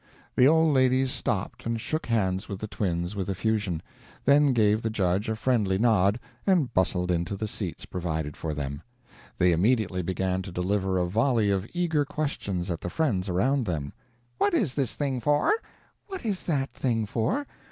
The old ladies stopped and shook hands with the twins with effusion, then gave the judge a friendly nod, and bustled into the seats provided for them. They immediately began to deliver a volley of eager questions at the friends around them: "What is this thing for?" "What is that thing for?"